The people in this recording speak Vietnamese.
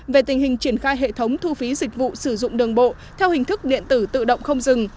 về tình hình triển khai hệ thống thu phí dịch vụ sử dụng đường bộ theo hình thức điện tử tự động không dừng